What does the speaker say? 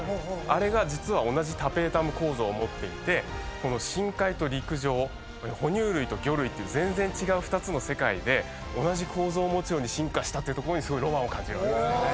あれが実は同じタペータム構造を持っていて深海と陸上哺乳類と魚類っていう全然違う２つの世界で同じ構造を持つように進化したっていうところにすごいロマンを感じるわけですよね。